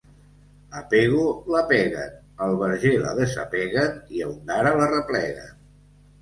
A Pego l'apeguen, al Verger la desapeguen i a Ondara l'arrepleguen.